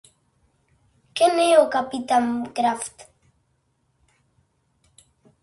Quen é o Capitán Kraft?